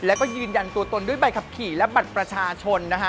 แล้วก็ยืนยันตัวตนด้วยใบขับขี่และบัตรประชาชนนะฮะ